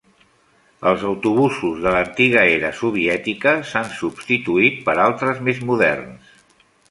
Els autobusos de l'antiga era soviètica s'han substituït per altres més moderns.